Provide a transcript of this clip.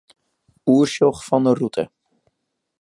Oersjoch fan 'e rûte.